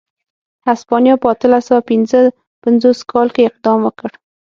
هسپانیا په اتلس سوه پنځه پنځوس کال کې اقدام وکړ.